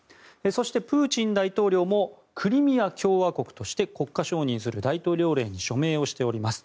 そしてプーチン大統領もクリミア共和国として国家承認する大統領令に署名をしております。